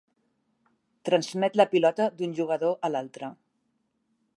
Transmet la pilota d'un jugador a l'altre.